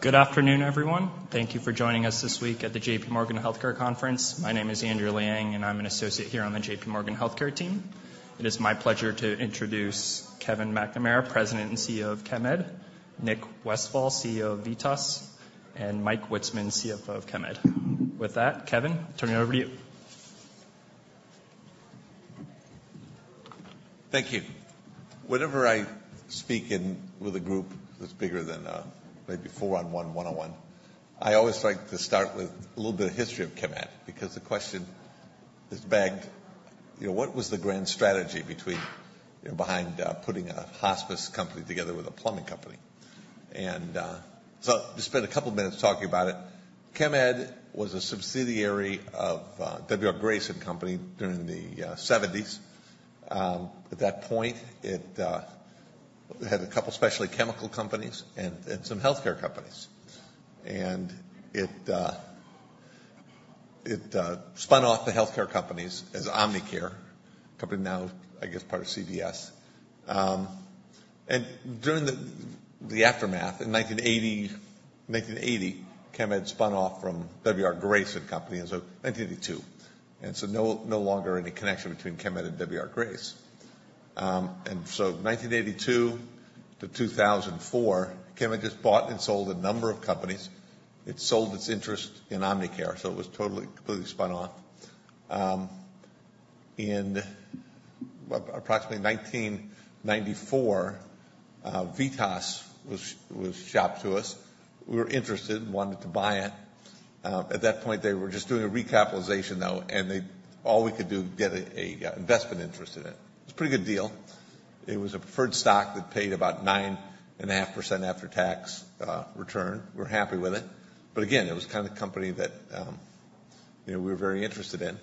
Good afternoon, everyone. Thank you for joining us this week at the J.P. Morgan Healthcare Conference. My name is Andrew Lang, and I'm an associate here on the J.P. Morgan Healthcare Team. It is my pleasure to introduce Kevin McNamara, President and CEO of Chemed, Nick Westfall, CEO of VITAS, and Mike Witsman, CFO of Chemed. With that, Kevin, turning it over to you. Thank you. Whenever I speak in with a group that's bigger than, maybe 4 on one, one-on-one, I always like to start with a little bit of history of Chemed, because the question is begged, you know, what was the grand strategy between, you know, behind putting a hospice company together with a plumbing company? So just spend a couple minutes talking about it. Chemed was a subsidiary of W. R. Grace and Company during the 1970s. At that point, it had a couple specialty chemical companies and some healthcare companies. And it spun off the healthcare companies as Omnicare, company now, I guess, part of CVS. And during the aftermath, in 1980, Chemed spun off from W. R. Grace and Company, and so 1982, and so no, no longer any connection between Chemed and W. R. Grace. 1982 to 2004, Chemed just bought and sold a number of companies. It sold its interest in Omnicare, so it was totally, completely spun off. In approximately 1994 VITAS was shopped to us. We were interested and wanted to buy it. At that point, they were just doing a recapitalization, though, and all we could do was get an investment interest in it. It's a pretty good deal. It was a preferred stock that paid about 9.5% after-tax return. We're happy with it, but again it was the kind of company that, you know we were very interested in.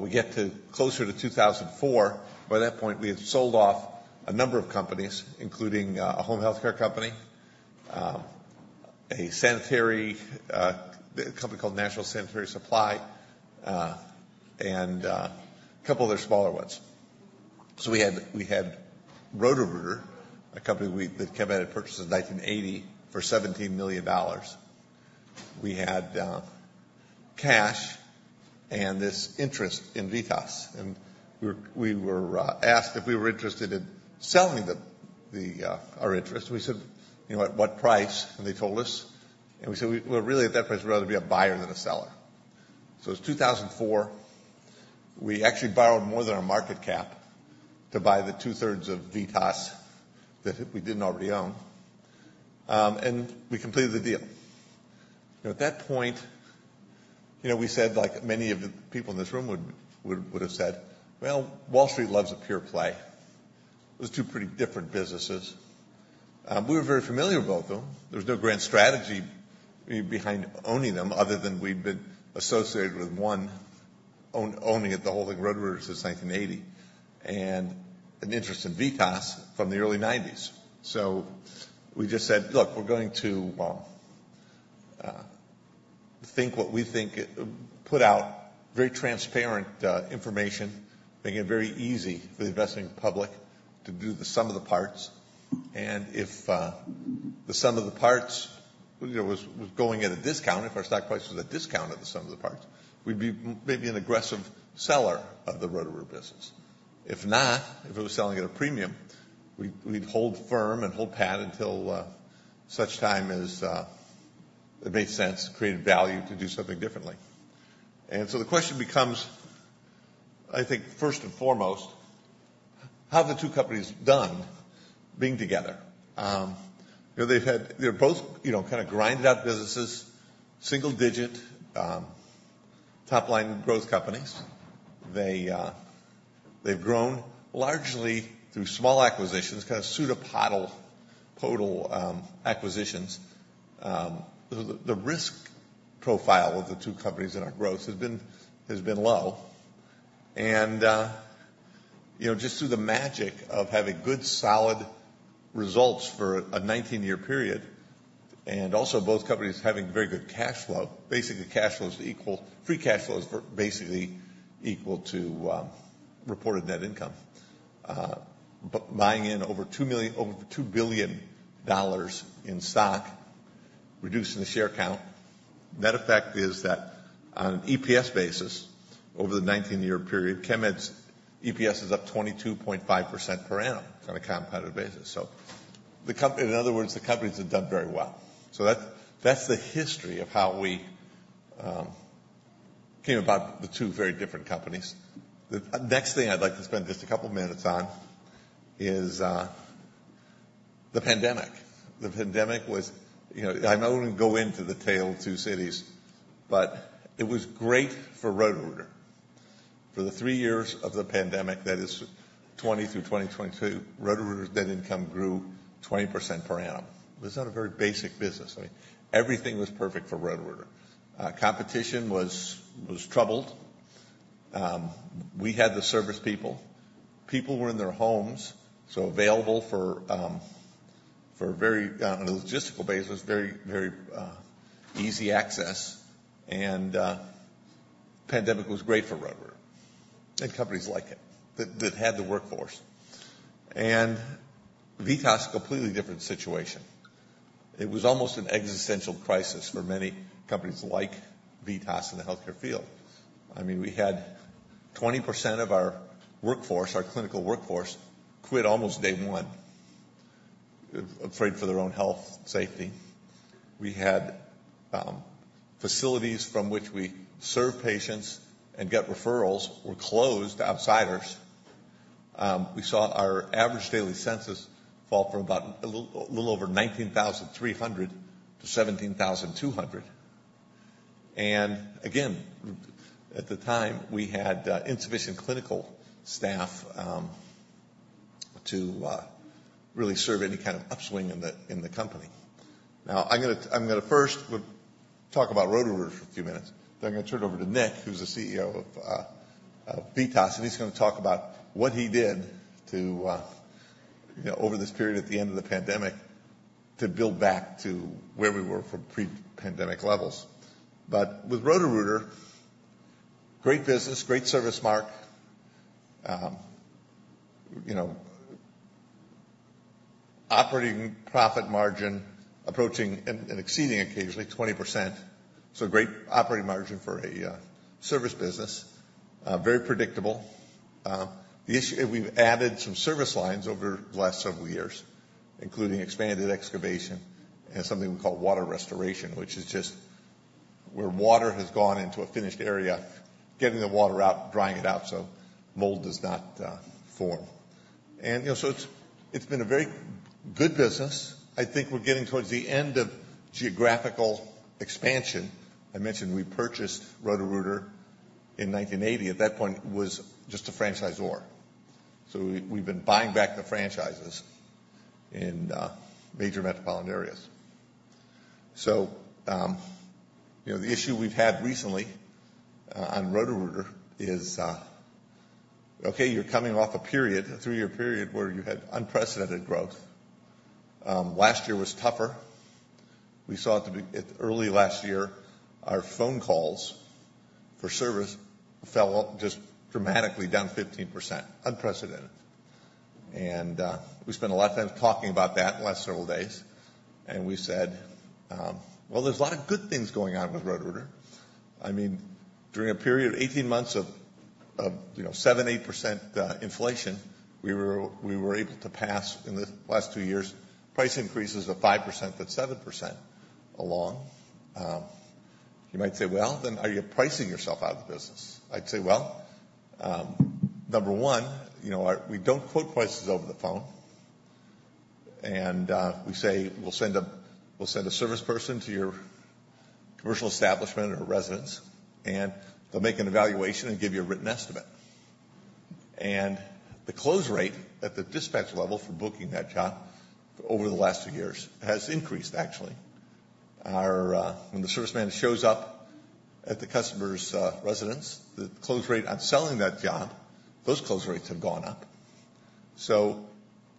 We get closer to 2004. By that point, we had sold off a number of companies including a home healthcare company, a sanitary, a company called National Sanitary Supply, and a couple other smaller ones. So we had Roto-Rooter, a company we that Chemed had purchased in 1980 for $17 million. We had cash and this interest in Vitas, and we were asked if we were interested in selling the our interest. We said, "You know, at what price?" And they told us, and we said, "We're really, at that price, rather be a buyer than a seller." So it's 2004. We actually borrowed more than our market cap to buy the two-thirds of Vitas that we didn't already own. And we completed the deal. At that point you know, we said like many of the people in this room would have said, "Well, Wall Street loves a pure play." It was two pretty different businesses. We were very familiar with both of them. There was no grand strategy behind owning them, other than we've been associated with one, owning it, the whole Roto-Rooter since 1980, and an interest in VITAS from the early 1990s. So we just said: Look, we're going to think what we think, put out very transparent information, making it very easy for the investing public to do the sum of the parts. And if the sum of the parts, you know, was going at a discount, if our stock price was a discount of the sum of the parts, we'd be maybe an aggressive seller of the Roto-Rooter business. If not, if it was selling at a premium, we'd hold firm and hold pat until such time as it made sense, created value to do something differently. And so the question becomes, I think first and foremost, how have the 2 companies done being together? You know, they've had. They're both you know, kinda grinded out businesses, single digit top-line growth companies. They, they've grown largely through small acquisitions, kind of pseudo bolt-on, total acquisitions. The risk profile of the two companies in our growth has been low. You know, just through the magic of having good, solid results for a 19-year period, and also both companies having very good cash flow, basically cash flows equal... Free cash flows were basically equal to reported net income. But buying in over 2 million, over $2 billion dollars in stock, reducing the share count. Net effect is that on an EPS basis, over the 19-year period, Chemed's EPS is up 22.5% per annum on a competitive basis. So the company... In other words, the companies have done very well. So that, that's the history of how we came about the two very different companies. The next thing I'd like to spend just a couple of minutes on is the pandemic. The pandemic was you know, I'm not going to go into the tale of two cities, but it was great for Roto-Rooter. For the three years of the pandemic, that is 2020 through 2022, Roto-Rooter's net income grew 20% per annum. It's not a very basic business. I mean, everything was perfect for Roto-Rooter. Competition was troubled. We had the service people. People were in their homes, so available for, for very, on a logistical basis, very, very easy access, and pandemic was great for Roto-Rooter... and companies like it, that had the workforce. And VITAS, a completely different situation. It was almost an existential crisis for many companies like VITAS in the healthcare field. I mean, we had 20% of our workforce, our clinical workforce, quit almost day one, afraid for their own health and safety. We had facilities from which we serve patients and get referrals were closed to outsiders. We saw our average daily census fall from about a little over 19,300 to 17,200. And again, at the time, we had insufficient clinical staff to really serve any kind of upswing in the company. Now, I'm gonna first talk about Roto-Rooter for a few minutes, then I'm gonna turn it over to Nick, who's the CEO of VITAS, and he's gonna talk about what he did to you know, over this period at the end of the pandemic, to build back to where we were from pre-pandemic levels. But with Roto-Rooter, great business, great service mark. You know, operating profit margin approaching and exceeding occasionally 20%. So great operating margin for a service business. Very predictable. The issue... We've added some service lines over the last several years, including expanded excavation and something we call water restoration, which is just where water has gone into a finished area, getting the water out, drying it out, so mold does not form. And, you know, so it's been a very good business. I think we're getting towards the end of geographical expansion. I mentioned we purchased Roto-Rooter in 1980. At that point, it was just a franchisor. So we've been buying back the franchises in major metropolitan areas. So, you know, the issue we've had recently on Roto-Rooter is, okay, you're coming off a period, a three-year period, where you had unprecedented growth. Last year was tougher. We saw it to be early last year our phone calls for service fell just dramatically, down 15%. Unprecedented. And we spent a lot of time talking about that the last several days, and we said, "Well, there's a lot of good things going on with Roto-Rooter." I mean, during a period of 18 months of you know, 7% to 8 inflation, we were able to pass, in the last two years, price increases of 5% to 7% along. You might say, "Well, then, are you pricing yourself out of business?" I'd say, "Well, number one, you know, we don't quote prices over the phone." And we say, "We'll send a service person to your commercial establishment or residence, and they'll make an evaluation and give you a written estimate." And the close rate at the dispatch level for booking that job over the last two years has increased, actually. When the service man shows up at the customer's residence, the close rate on selling that job, those close rates have gone up. So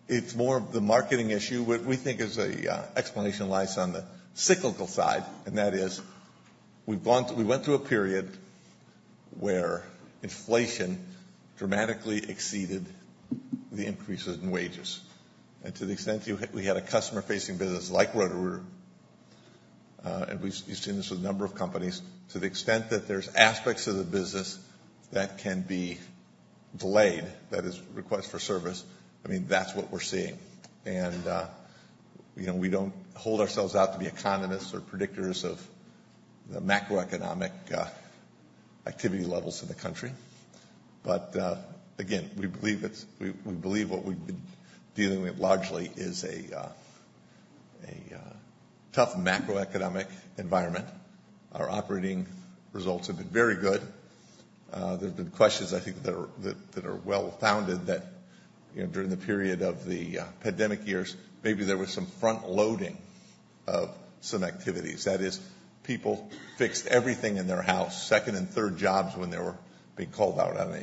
it's more of the marketing issue. What we think is an explanation lies on the cyclical side, and that is, we went through a period where inflation dramatically exceeded the increases in wages. To the extent we had a customer-facing business like Roto-Rooter, and we've seen this with a number of companies, to the extent that there's aspects of the business that can be delayed, that is, request for service, I mean, that's what we're seeing. And, you know, we don't hold ourselves out to be economists or predictors of the macroeconomic activity levels in the country. But, again, we believe it's we believe what we've been dealing with largely is a tough macroeconomic environment. Our operating results have been very good. There have been questions, I think, that are well-founded, that, you know, during the period of the pandemic years, maybe there was some front-loading of some activities. That is, people fixed everything in their house, second and third jobs, when they were being called out on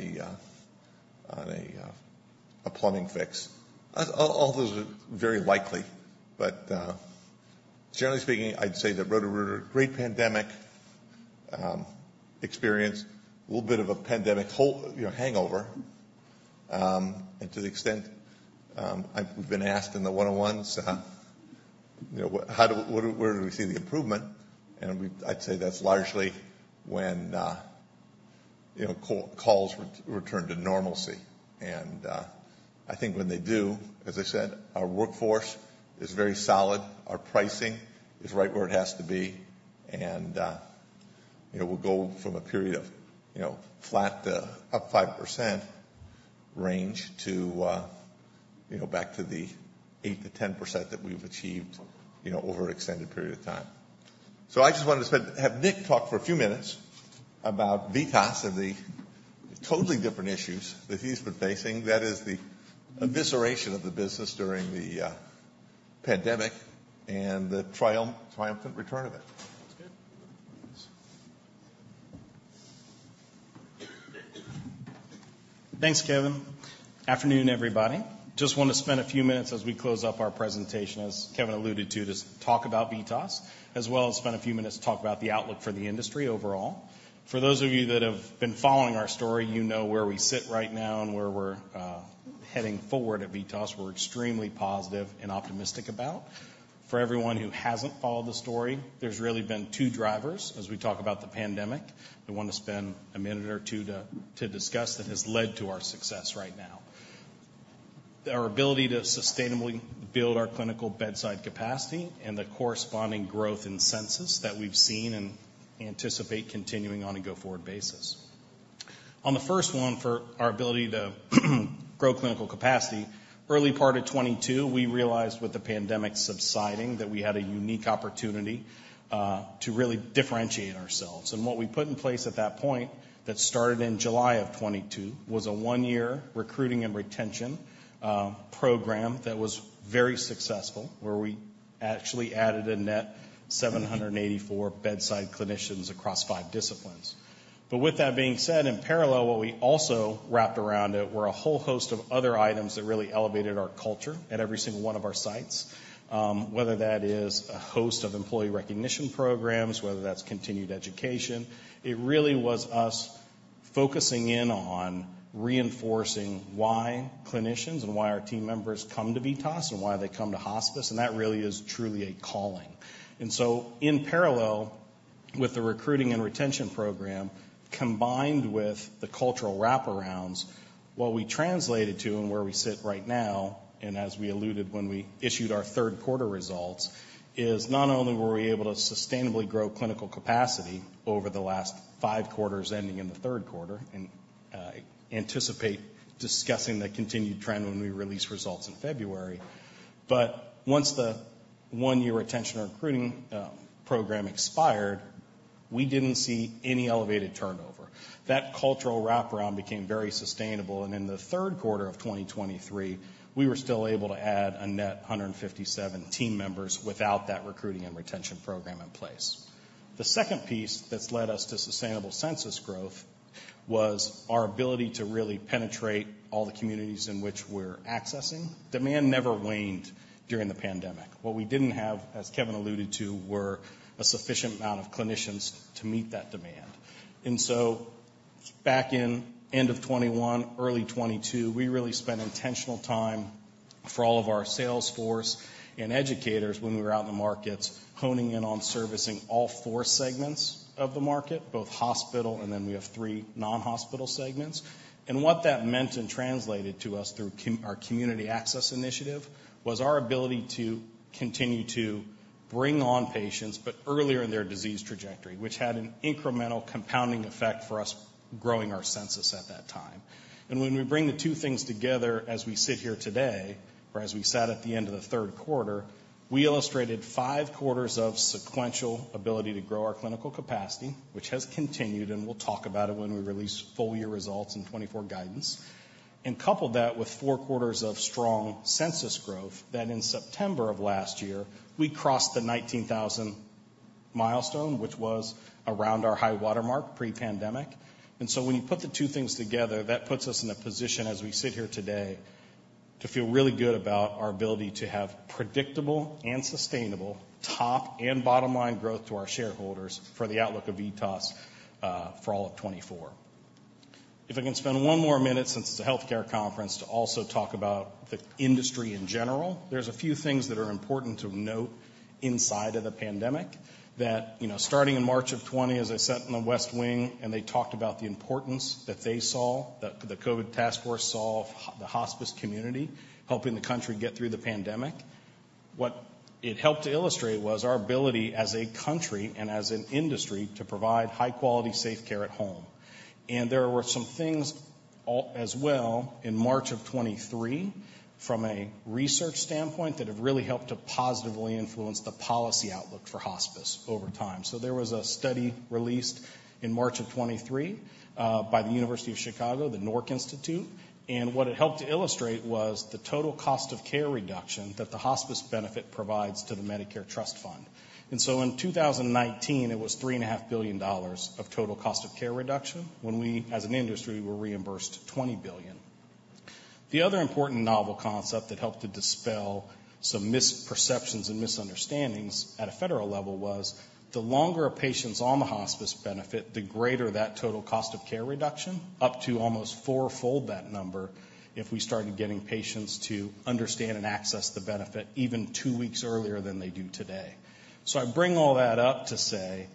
a plumbing fix. All those are very likely. But generally speaking, I'd say that Roto-Rooter, great pandemic experience, a little bit of a pandemic hangover, you know. And to the extent I've been asked in the one-on-ones, you know, where do we see the improvement? And we... I'd say that's largely when, you know, calls return to normalcy. I think when they do, as I said, our workforce is very solid, our pricing is right where it has to be, and, you know, we'll go from a period of, you know, flat to up 5% range to, you know, back to the 8%-10% that we've achieved, you know, over an extended period of time. So I just wanted to have Nick talk for a few minutes about VITAS and the totally different issues that he's been facing. That is the evisceration of the business during the pandemic and the triumphant return of it. That's good. Thanks, Kevin.... Afternoon, everybody. Just want to spend a few minutes as we close up our presentation, as Kevin alluded to, just talk about VITAS, as well as spend a few minutes to talk about the outlook for the industry overall. For those of you that have been following our story, you know where we sit right now and where we're heading forward at VITAS. We're extremely positive and optimistic about. For everyone who hasn't followed the story, there's really been two drivers as we talk about the pandemic. We want to spend a minute or two to discuss that has led to our success right now. Our ability to sustainably build our clinical bedside capacity and the corresponding growth in census that we've seen and anticipate continuing on a go-forward basis. On the first one, for our ability to grow clinical capacity, early part of 2022, we realized with the pandemic subsiding, that we had a unique opportunity to really differentiate ourselves. And what we put in place at that point, that started in July of 2022, was a one-year recruiting and retention program that was very successful, where we actually added a net 784 bedside clinicians across five disciplines. But with that being said, in parallel, what we also wrapped around it were a whole host of other items that really elevated our culture at every single one of our sites. Whether that is a host of employee recognition programs, whether that's continued education, it really was us focusing in on reinforcing why clinicians and why our team members come to VITAS and why they come to hospice, and that really is truly a calling. And so in parallel with the recruiting and retention program, combined with the cultural wraparounds, what we translated to and where we sit right now, and as we alluded when we issued our Q3 results, is not only were we able to sustainably grow clinical capacity over the last five quarters, ending in the third quarter, and anticipate discussing the continued trend when we release results in February. But once the one-year retention or recruiting program expired, we didn't see any elevated turnover. That cultural wraparound became very sustainable, and in the Q3 of 2023, we were still able to add a net 157 team members without that recruiting and retention program in place. The second piece that's led us to sustainable census growth was our ability to really penetrate all the communities in which we're accessing. Demand never waned during the pandemic. What we didn't have, as Kevin alluded to, were a sufficient amount of clinicians to meet that demand. And so back in end of 2021, early 2022, we really spent intentional time for all of our sales force and educators when we were out in the markets, honing in on servicing all four segments of the market, both hospital and then we have three non-hospital segments. What that meant and translated to us through our community access initiative was our ability to continue to bring on patients, but earlier in their disease trajectory, which had an incremental compounding effect for us, growing our census at that time. And when we bring the two things together as we sit here today, or as we sat at the end of the third quarter, we illustrated five quarters of sequential ability to grow our clinical capacity, which has continued, and we'll talk about it when we release full year results in 2024 guidance. And couple that with four quarters of strong census growth, that in September of last year, we crossed the 19,000 milestone, which was around our high watermark pre-pandemic. When you put the two things together, that puts us in a position, as we sit here today, to feel really good about our ability to have predictable and sustainable top and bottom line growth to our shareholders for the outlook of VITAS for all of 2024. If I can spend one more minute, since it's a healthcare conference, to also talk about the industry in general. There's a few things that are important to note inside of the pandemic that, you know, starting in March of 2020, as I sat in the West Wing and they talked about the importance that they saw, that the COVID task force saw the hospice community, helping the country get through the pandemic. What it helped to illustrate was our ability as a country and as an industry to provide high-quality, safe care at home. There were some things as well in March of 2023, from a research standpoint, that have really helped to positively influence the policy outlook for hospice over time. There was a study released in March of 2023 by the University of Chicago, the NORC Institute, and what it helped to illustrate was the total cost of care reduction that the hospice benefit provides to the Medicare Trust Fund. In 2019, it was $3.5 billion of total cost of care reduction when we, as an industry, were re-imbursed $20 billion. The other important novel concept that helped to dispel some misperceptions and misunderstandings at a federal level was, the longer a patient's on the hospice benefit, the greater that total cost of care reduction, up to almost fourfold that number, if we started getting patients to understand and access the benefit even two weeks earlier than they do today. So I bring all that up to say,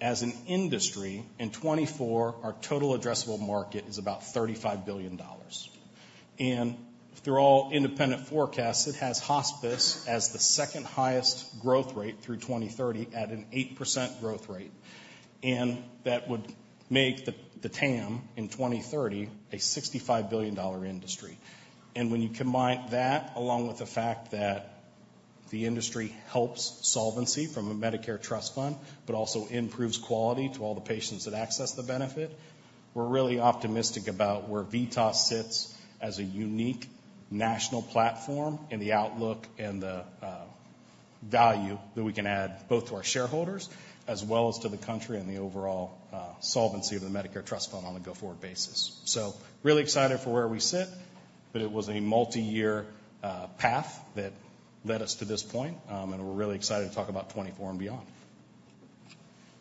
as an industry, in 2024, our total addressable market is about $35 billion. And through all independent forecasts, it has hospice as the second highest growth rate through 2030, at an 8% growth rate. And that would make the, the TAM in 2030 a $65 billion dollar industry. And when you combine that, along with the fact that the industry helps solvency from a Medicare trust fund, but also improves quality to all the patients that access the benefit, we're really optimistic about where VITAS sits as a unique national platform in the outlook and the value that we can add both to our shareholders as well as to the country and the overall solvency of the Medicare trust fund on a go-forward basis. So really excited for where we sit, but it was a multi-year path that led us to this point, and we're really excited to talk about 2024 and beyond.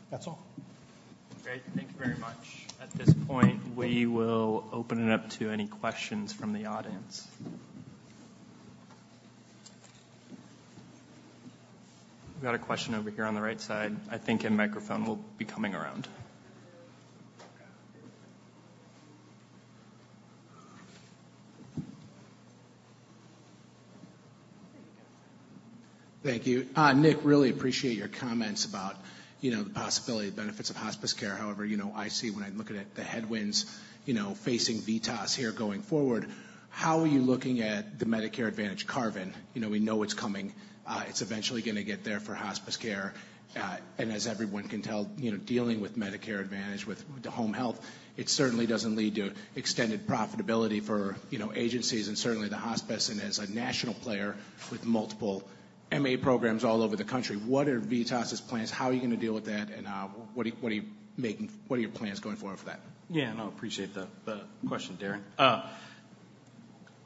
That's all. Great. Thank you very much. At this point, we will open it up to any questions from the audience. We've got a question over here on the right side. I think a microphone will be coming around. Thank you. Nick, really appreciate your comments about, you know, the possibility of benefits of hospice care. However, you know, I see when I'm looking at the headwinds, you know, facing VITAS here going forward, how are you looking at the Medicare Advantage carve-in? You know, we know it's coming. It's eventually gonna get there for hospice care. And as everyone can tell, you know, dealing with Medicare Advantage, with the home health, it certainly doesn't lead to extended profitability for, you know, agencies and certainly the hospice. And as a national player with multiple MA programs all over the country, what are VITAS's plans? How are you gonna deal with that, and what are your plans going forward for that? Yeah, no, I appreciate the question Darren.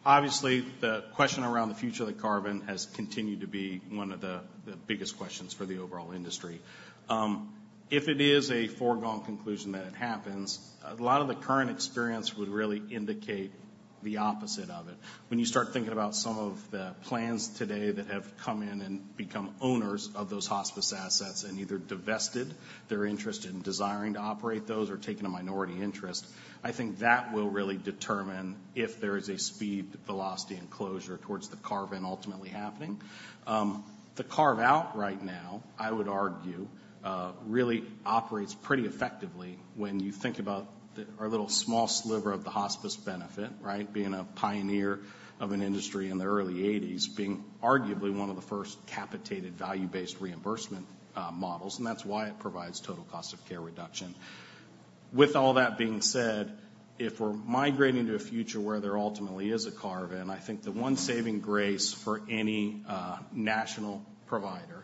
Obviously, the question around the future of the carve-in has continued to be one of the biggest questions for the overall industry. If it is a foregone conclusion that it happens, a lot of the current experience would really indicate the opposite of it. When you start thinking about some of the plans today that have come in and become owners of those hospice assets and either divested their interest in desiring to operate those or taken a minority interest, I think that will really determine if there is a speed, velocity, and closure towards the carve-in ultimately happening. The carve-out right now, I would argue, really operates pretty effectively when you think about our little small sliver of the hospice benefit, right? Being a pioneer of an industry in the early eighties, being arguably one of the first capitated value-based reimbursement, models, and that's why it provides total cost of care reduction. With all that being said, if we're migrating to a future where there ultimately is a carve-in, I think the one saving grace for any, national provider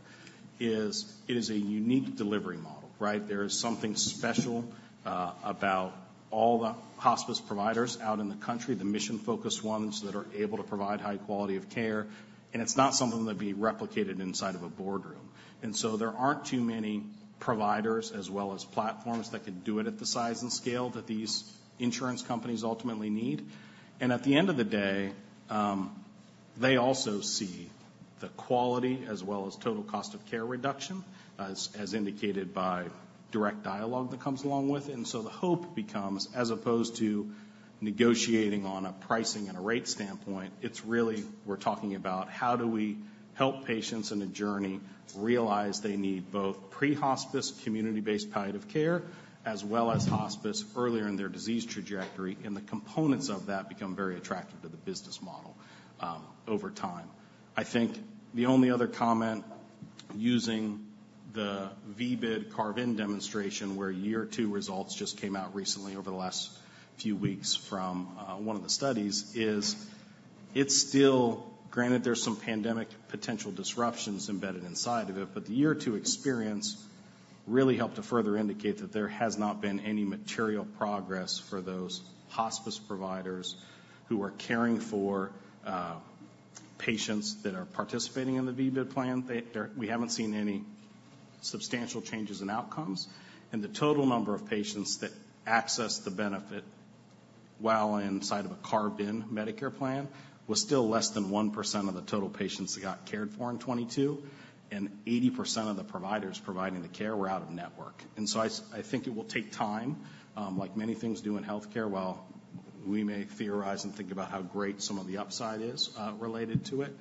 is, it is a unique delivery model, right? There is something special, about all the hospice providers out in the country, the mission-focused ones that are able to provide high quality of care, and it's not something that'd be replicated inside of a boardroom. And so there aren't too many providers as well as platforms that can do it at the size and scale that these insurance companies ultimately need. And at the end of the day, they also see the quality as well as total cost of care reduction, as indicated by direct dialogue that comes along with it. And so the hope becomes, as opposed to negotiating on a pricing and a rate standpoint, it's really we're talking about how do we help patients in a journey realize they need both pre-hospice, community-based palliative care, as well as hospice earlier in their disease trajectory, and the components of that become very attractive to the business model, over time. I think the only other comment, using the VBID carve-in demonstration, where year 2 results just came out recently over the last few weeks from, one of the studies, is it's still... Granted, there's some pandemic potential disruptions embedded inside of it, but the year two experience really helped to further indicate that there has not been any material progress for those hospice providers who are caring for patients that are participating in the v-bid plan. That we haven't seen any substantial changes in outcomes, and the total number of patients that access the benefit while inside of a carve-in Medicare plan was still less than 1% of the total patients that got cared for in 2022, and 80% of the providers providing the care were out of network. And so I think it will take time, like many things do in healthcare. While we may theorize and think about how great some of the upside is, related to it,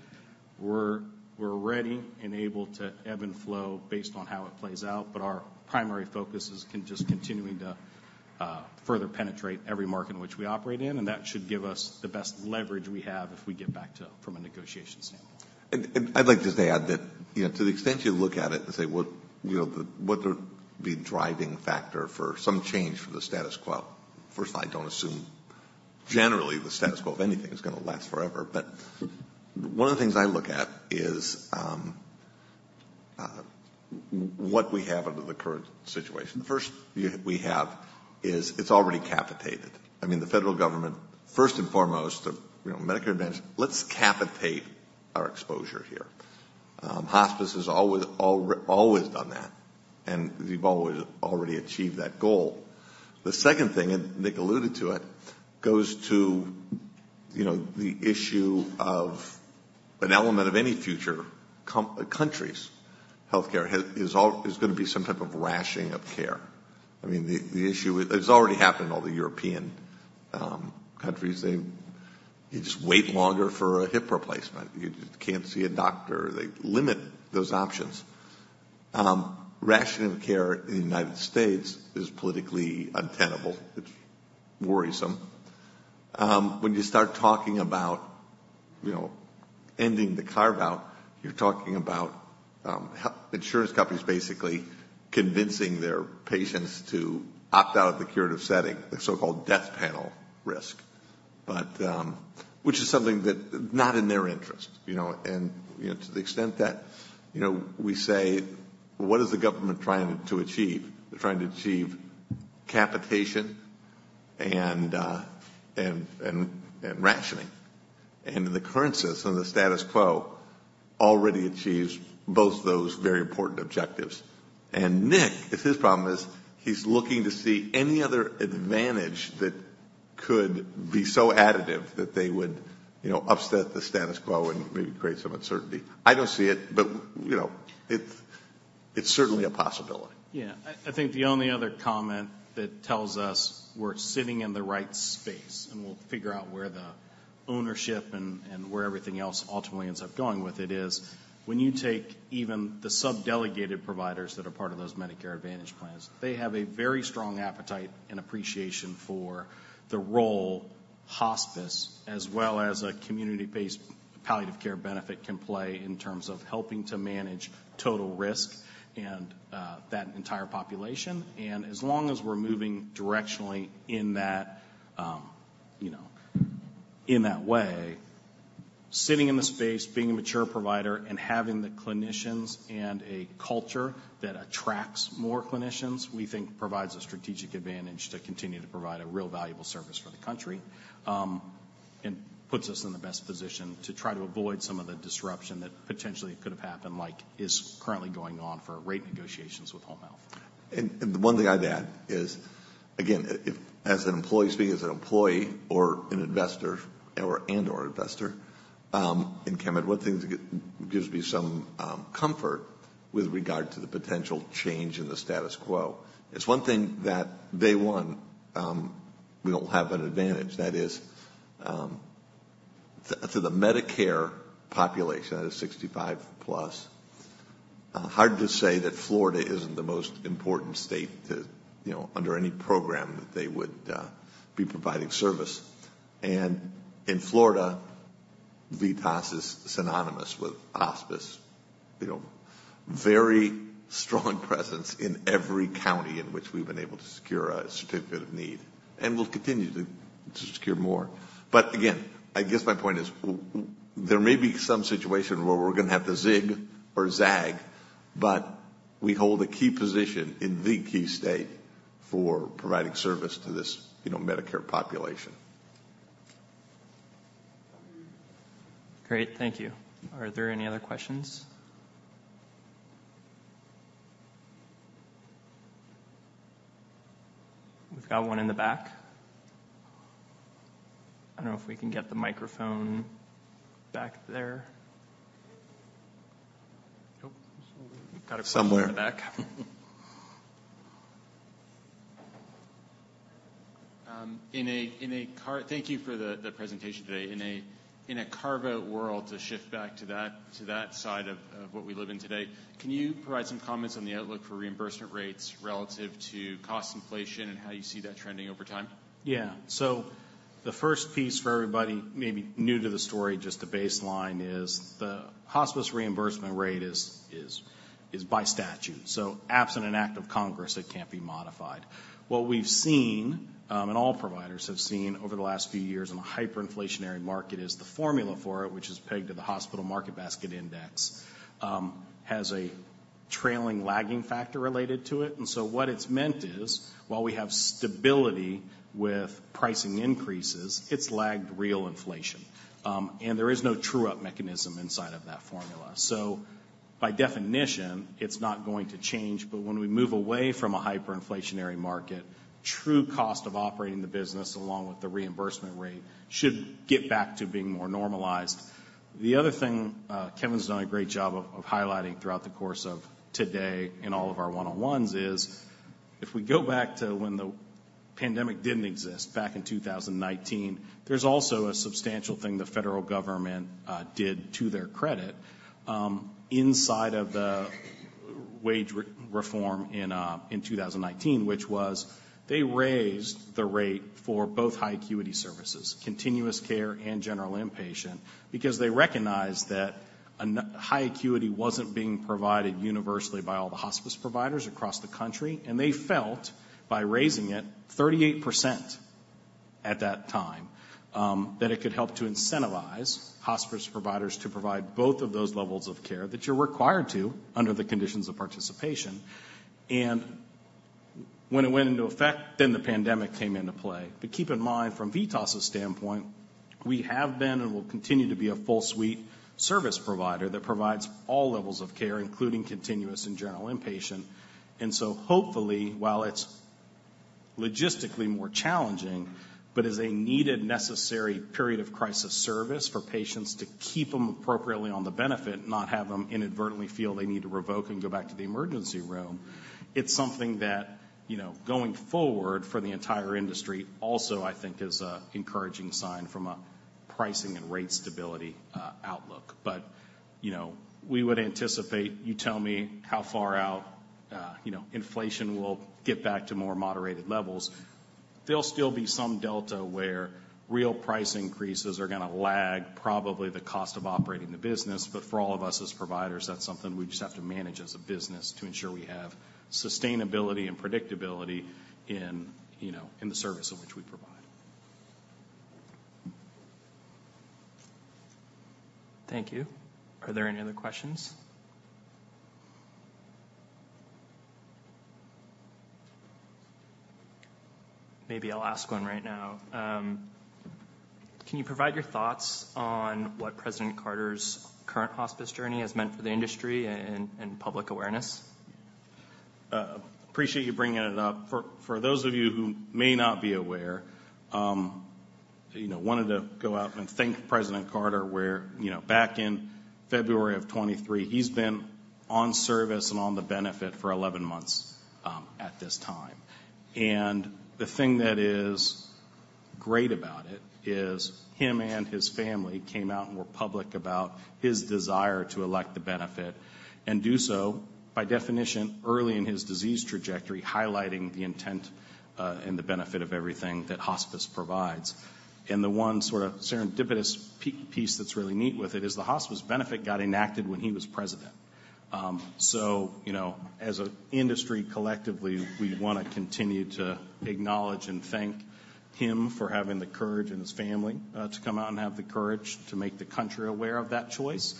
we're ready and able to ebb and flow based on how it plays out. But our primary focus is just continuing to further penetrate every market in which we operate in, and that should give us the best leverage we have if we get back to, from a negotiation standpoint. I'd like to just add that, you know, to the extent you look at it and say, "Well, you know, the what would be the driving factor for some change from the status quo?" First, I don't assume generally the status quo of anything is gonna last forever. But one of the things I look at is what we have under the current situation. The first we have is it's already capitated. I mean, the federal government, first and foremost, you know, Medicare Advantage, let's capitate our exposure here. Hospice has always done that, and we've always already achieved that goal. The second thing, and Nick alluded to it, goes to, you know, the issue of an element of any future country's healthcare is gonna be some type of rationing of care. I mean, the issue... It's already happened in all the European countries. They. You just wait longer for a hip replacement. You just can't see a doctor. They limit those options. Rationing of care in the United States is politically untenable, which worrisome. When you start talking about, you know, ending the carve-out, you're talking about insurance companies basically convincing their patients to opt out of the curative setting, the so-called death panel risk, but which is something that not in their interest, you know? And, you know, to the extent that, you know, we say, "What is the government trying to achieve?" They're trying to achieve capitation and rationing. And in the current system, the status quo already achieves both those very important objectives. Nick, if his problem is he's looking to see any other advantage that could be so additive that they would, you know, upset the status quo and maybe create some uncertainty. I don't see it, but, you know, it's, it's certainly a possibility. Yeah. I, I think the only other comment that tells us we're sitting in the right space, and we'll figure out where the ownership and, and where everything else ultimately ends up going with it, is when you take even the sub-delegated providers that are part of those Medicare Advantage plans, they have a very strong appetite and appreciation for the role hospice, as well as a community-based palliative care benefit, can play in terms of helping to manage total risk and that entire population. And as long as we're moving directionally in that, you know, in that way, sitting in the space, being a mature provider, and having the clinicians and a culture that attracts more clinicians, we think provides a strategic advantage to continue to provide a real valuable service for the country. Puts us in the best position to try to avoid some of the disruption that potentially could have happened, like is currently going on for rate negotiations with home health. The one thing I'd add is, again, if as an employee, speaking as an employee or an investor or and/or investor, and Kevin, one thing that gives me some comfort with regard to the potential change in the status quo, it's one thing that day one we don't have that advantage. That is, for the Medicare population, that is 65+, hard to say that Florida isn't the most important state to, you know, under any program that they would be providing service. And in Florida, VITAS is synonymous with hospice. You know, very strong presence in every county in which we've been able to secure a Certificate of Need, and we'll continue to secure more. But again, I guess my point is, there may be some situation where we're gonna have to zig or zag, but we hold a key position in the key state for providing service to this, you know, Medicare population. Great. Thank you. Are there any other questions? We've got one in the back. I don't know if we can get the microphone back there. Nope. Got a- Somewhere. Back. Thank you for the presentation today. In a carve-out world, to shift back to that side of what we live in today, can you provide some comments on the outlook for reimbursement rates relative to cost inflation and how you see that trending over time? Yeah. So the first piece for everybody maybe new to the story just a baseline, is the hospice reimbursement rate is by statute, so absent an act of Congress, it can't be modified. What we've seen, and all providers have seen over the last few years in a hyperinflationary market, is the formula for it, which is pegged to the Hospital Market Basket Index, has a trailing lagging factor related to it. And so what it's meant is, while we have stability with pricing increases, it's lagged real inflation. And there is no true-up mechanism inside of that formula. So by definition, it's not going to change, but when we move away from a hyperinflationary market, true cost of operating the business, along with the reimbursement rate, should get back to being more normalized. The other thing, Kevin's done a great job of highlighting throughout the course of today in all of our one-on-ones is, if we go back to when the pandemic didn't exist, back in 2019, there's also a substantial thing the federal government did, to their credit, inside of the wage reform in 2019, which was they raised the rate for both high acuity services, continuous care and general inpatient, because they recognized that high acuity wasn't being provided universally by all the hospice providers across the country. And they felt by raising it 38% at that time, that it could help to incentivize hospice providers to provide both of those levels of care that you're required to under the Conditions of Participation. When it went into effect, then the pandemic came into play. Keep in mind, from VITAS's standpoint, we have been and will continue to be a full suite service provider that provides all levels of care, including continuous and general inpatient. So hopefully, while it's logistically more challenging, but as a needed, necessary period of crisis service for patients to keep them appropriately on the benefit, not have them inadvertently feel they need to revoke and go back to the emergency room, it's something that, you know, going forward for the entire industry also, I think, is a encouraging sign from a pricing and rate stability, outlook. You know, we would anticipate, you tell me how far out, you know, inflation will get back to more moderated levels. There'll still be some delta where real price increases are gonna lag, probably the cost of operating the business, but for all of us as providers, that's something we just have to manage as a business to ensure we have sustainability and predictability in, you know, in the service of which we provide.... Thank you. Are there any other questions? Maybe I'll ask one right now. Can you provide your thoughts on what President Carter's current hospice journey has meant for the industry and public awareness? Appreciate you bringing it up. For those of you who may not be aware, you know, wanted to go out and thank President Carter, where, you know, back in February of 2023, he's been on service and on the benefit for 11 months, at this time. And the thing that is great about it is him and his family came out and were public about his desire to elect the benefit, and do so by definition, early in his disease trajectory, highlighting the intent, and the benefit of everything that hospice provides. And the one sort of serendipitous piece that's really neat with it is the hospice benefit got enacted when he was president. So, you know as an industry, collectively, we want to continue to acknowledge and thank him for having the courage, and his family, to come out and have the courage to make the country aware of that choice.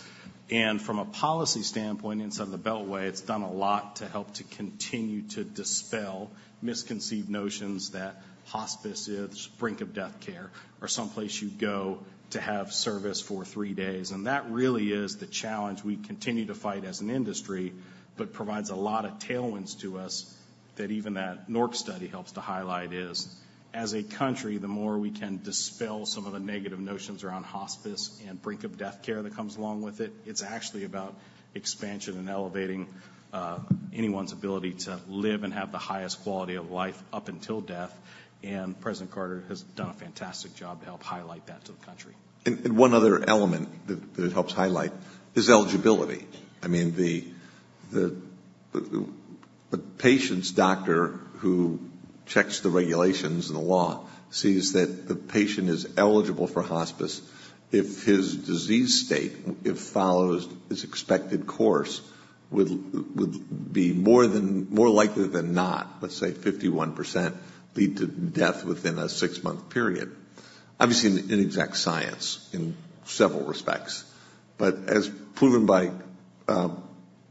From a policy standpoint, inside the Beltway, it's done a lot to help to continue to dispel misconceived notions that hospice is brink-of-death care or someplace you go to have service for three days. That really is the challenge we continue to fight as an industry, but provides a lot of tailwinds to us, that even that NORC study helps to highlight, is as a country, the more we can dispel some of the negative notions around hospice and brink-of-death care that comes along with it, it's actually about expansion and elevating, anyone's ability to live and have the highest quality of life up until death. President Carter has done a fantastic job to help highlight that to the country. And one other element that it helps highlight is eligibility. I mean the patient's doctor, who checks the regulations and the law, sees that the patient is eligible for hospice if his disease state, if follows his expected course, would be more likely than not, let's say 51%, lead to death within a 6 month period. Obviously, an inexact science in several respects, but as proven by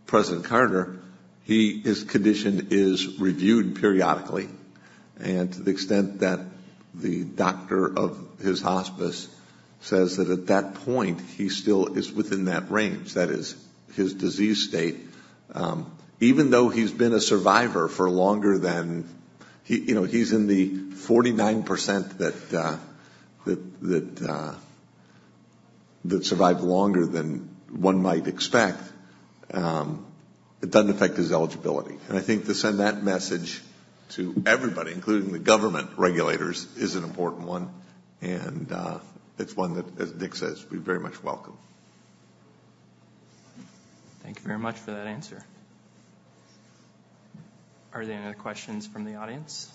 President Carter, his condition is reviewed periodically, and to the extent that the doctor of his hospice says that at that point, he still is within that range, that is, his disease state, even though he's been a survivor for longer than... He, you know, he's in the 49% that survived longer than one might expect, it doesn't affect his eligibility. I think to send that message to everybody, including the government regulators, is an important one, and it's one that, as Nick says, we very much welcome. Thank you very much for that answer. Are there any other questions from the audience?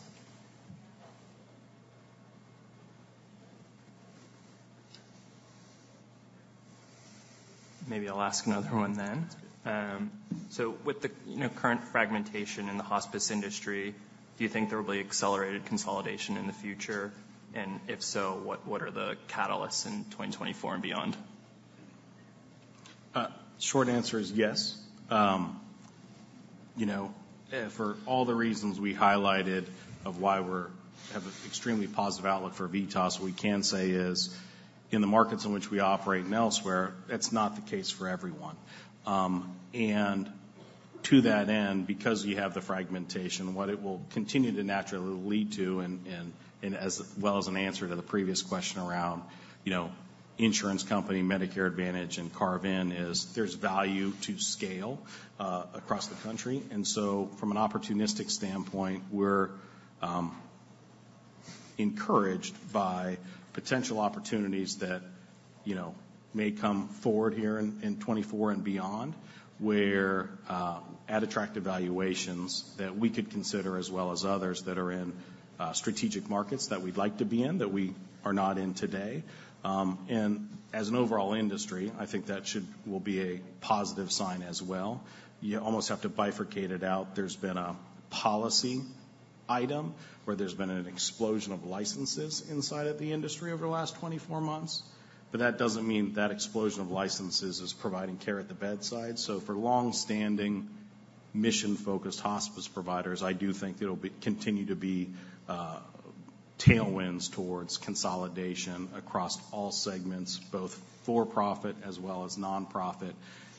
Maybe I'll ask another one then. So with the you know, current fragmentation in the hospice industry, do you think there will be accelerated consolidation in the future? And if so, what are the catalysts in 2024 and beyond? Short answer is yes. You know for all the reasons we highlighted of why we're have an extremely positive outlook for VITAS, what we can say is, in the markets in which we operate and elsewhere, that's not the case for everyone. And to that end, because you have the fragmentation, what it will continue to naturally lead to and as well as an answer to the previous question around, you know, insurance company, Medicare Advantage, and carve-in, is there's value to scale across the country. And so from an opportunistic standpoint, we're encouraged by potential opportunities that, you know, may come forward here in 2024 and beyond, where at attractive valuations that we could consider, as well as others that are in strategic markets that we'd like to be in, that we are not in today. As an overall industry, I think that should will be a positive sign as well. You almost have to bifurcate it out. There's been a policy item, where there's been an explosion of licenses inside of the industry over the last 24 months, but that doesn't mean that explosion of licenses is providing care at the bedside. So for long-standing, mission-focused hospice providers, I do think there will be continue to be tailwinds towards consolidation across all segments, both for-profit as well as nonprofit,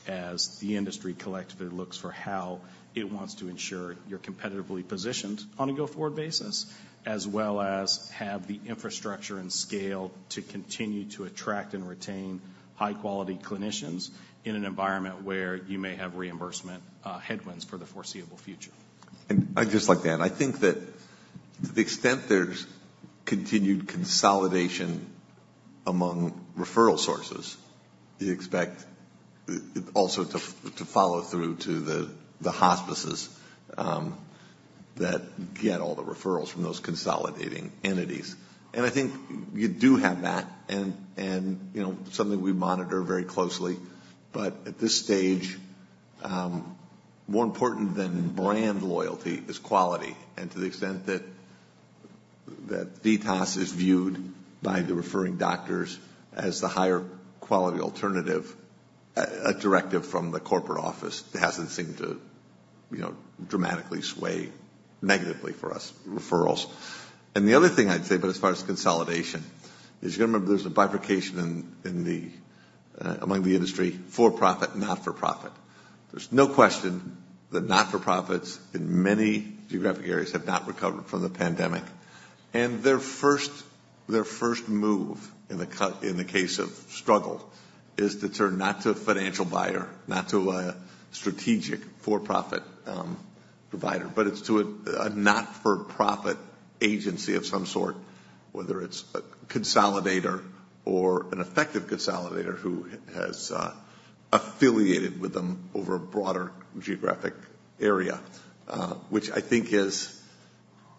as the industry collectively looks for how it wants to ensure you're competitively positioned on a go-forward basis, as well as have the infrastructure and scale to continue to attract and retain high-quality clinicians in an environment where you may have reimbursement headwinds for the foreseeable future. I'd just like to add, I think that to the extent there's continued consolidation among referral sources, you expect it also to follow through to the hospices that get all the referrals from those consolidating entities. And I think you do have that, and you know, something we monitor very closely. But at this stage, more important than brand loyalty is quality. And to the extent that VITAS is viewed by the referring doctors as the higher quality alternative, a directive from the corporate office hasn't seemed to, you know, dramatically sway negatively for us, referrals. And the other thing I'd say, but as far as consolidation, is you remember there's a bifurcation in the industry, for-profit, not-for-profit. There's no question that not-for-profits in many geographic areas have not recovered from the pandemic. Their first move in the case of struggle is to turn not to a financial buyer, not to a strategic for-profit provider, but it's to a not-for-profit agency of some sort, whether it's a consolidator or an effective consolidator who has affiliated with them over a broader geographic area, which I think is,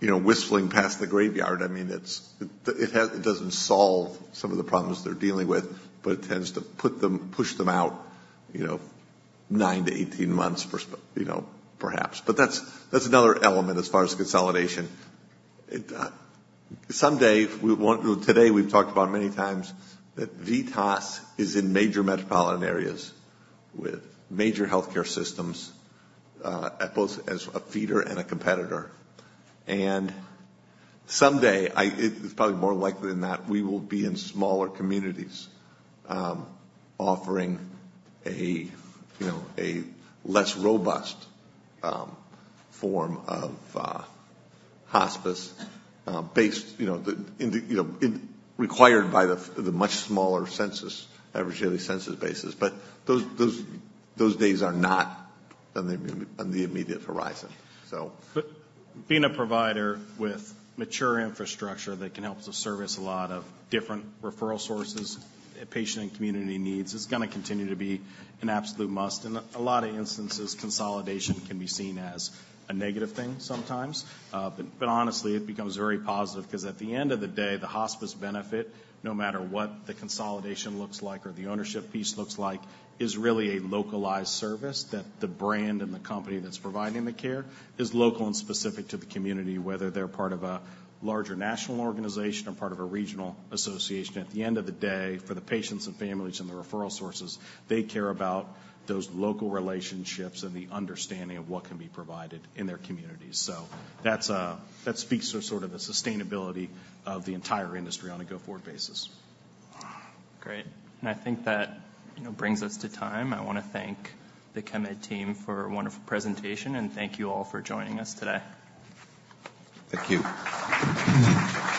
you know, whistling past the graveyard. I mean, it doesn't solve some of the problems they're dealing with, but it tends to put them, push them out, you know, 9 to 18 months, you know, perhaps. But that's another element as far as consolidation. Someday, we want - today, we've talked about many times that VITAS is in major metropolitan areas with major healthcare systems at both as a feeder and a competitor. And someday, it's probably more likely than not, we will be in smaller communities, offering a, you know, a less robust form of hospice, based, you know, the, in the, you know, required by the the much smaller census, average yearly census basis. But those, those, those days are not on the immediate horizon, so- Being a provider with mature infrastructure that can help to service a lot of different referral sources, patient and community needs, is gonna continue to be an absolute must. In a lot of instances, consolidation can be seen as a negative thing sometimes. But honestly, it becomes very positive because, at the end of the day, the hospice benefit, no matter what the consolidation looks like or the ownership piece looks like, is really a localized service, that the brand and the company that's providing the care is local and specific to the community. Whether they're part of a larger national organization or part of a regional association, at the end of the day, for the patients and families and the referral sources, they care about those local relationships and the understanding of what can be provided in their communities. That's, that speaks to sort of the sustainability of the entire industry on a go-forward basis. Great. I think that, you know, brings us to time. I wanna thank the Chemed team for a wonderful presentation, and thank you all for joining us today. Thank you.